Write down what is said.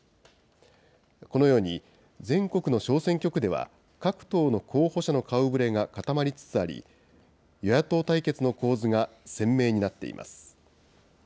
このように全国の小選挙区では、各党の候補者の顔ぶれが固まりつつあり、与野党対決の構図が鮮明になっています。